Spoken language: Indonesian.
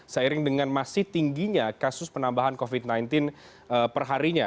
seiring dengan masih tingginya kasus penambahan covid sembilan belas perharinya